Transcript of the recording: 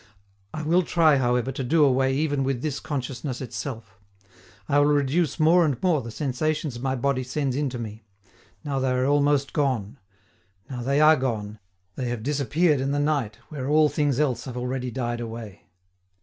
I will try, however, to do away even with this consciousness itself. I will reduce more and more the sensations my body sends in to me: now they are almost gone; now they are gone, they have disappeared in the night where all things else have already died away.